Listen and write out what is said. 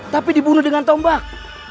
tapi dibunuh dengan tombak